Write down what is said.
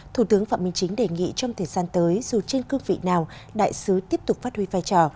thủ tướng phạm minh chính đề nghị trong thời gian tới dù trên cương vị nào đại sứ tiếp tục phát huy vai trò